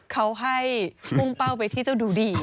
เขาให้พุ่งเป้าไปที่เจ้าดูดี